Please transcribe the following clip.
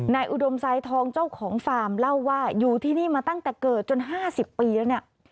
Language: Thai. อุดมทรายทองเจ้าของฟาร์มเล่าว่าอยู่ที่นี่มาตั้งแต่เกิดจน๕๐ปีแล้วเนี่ย